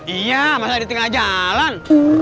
iya masalah di tengah jalan